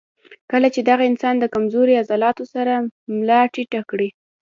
کله چې دغه انسان د کمزوري عضلاتو سره ملا ټېټه کړي